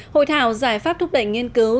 hội thảo giải pháp thúc đẩy nghiên cứu